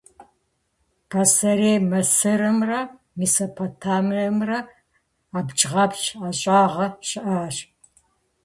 Пасэрей Мысырымрэ Месопотамиемрэ абджгъэпщ ӀэщӀагъэ щыӀащ.